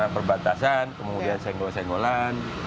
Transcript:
perbatasan kemudian senggol senggolan